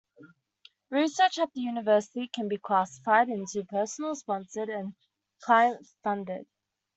Research at the university can be classified into personal, sponsored, and client-funded.